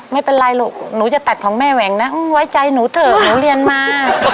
ไม่เป็นไรลูกหนูจะตัดของแม่แหว่งนะไว้ใจหนูเถอะหนูเรียนมา